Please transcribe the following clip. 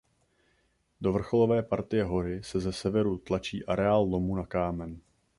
Do vrcholové partie hory se ze severu tlačí areál lomu na kámen.